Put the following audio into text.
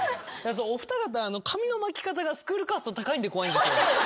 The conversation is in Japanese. お二方の髪の巻き方がスクールカースト高いんで怖いんですよ。